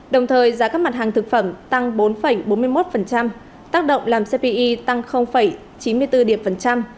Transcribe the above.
đồng thời giá các mặt hàng thực phẩm tăng bốn bốn mươi một tác động làm cpi tăng chín mươi bốn điểm phần trăm